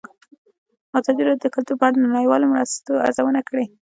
ازادي راډیو د کلتور په اړه د نړیوالو مرستو ارزونه کړې.